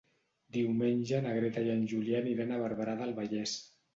Diumenge na Greta i en Julià aniran a Barberà del Vallès.